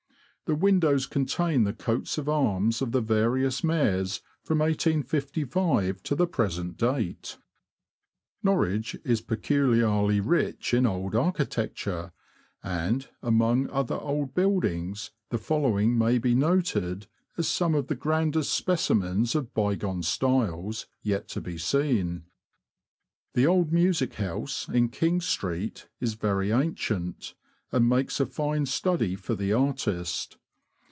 The windows contain the coats of arms of the various mayors from 1855 to the present date. Norwich is peculiarly rich in old architecture, and, among other old buildings, the following may be noted as some of the grandest specimens of bygone styles yet to be seen : The Old Music House, in King Street, is very A RAMBLE THROUGH NORWICH. 95 ancient, and makes a fine study for the artist.